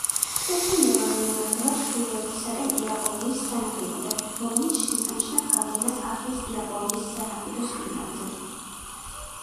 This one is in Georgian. ეს დინება მიემართება ჩრდილოეთისაკენ იაპონიის სანაპირომდე, რომელიც შესამჩნევ გავლენას ახდენს იაპონიის სანაპიროს კლიმატზე.